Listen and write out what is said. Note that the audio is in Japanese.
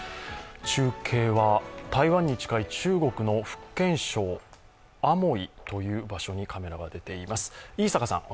中継は台湾に近い中国の福建省、アモイという場所にカメラが出ています。